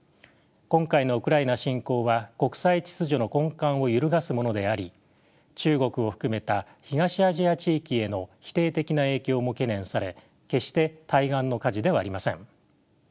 今回のウクライナ侵攻は国際秩序の根幹を揺るがすものであり中国を含めた東アジア地域への否定的な影響も懸念され決して対岸の火事ではありません。